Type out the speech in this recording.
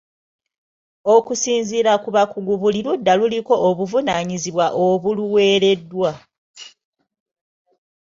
Okusinziira ku bakugu buli ludda luliko obuvunaanyizibwa obuluweereddwa.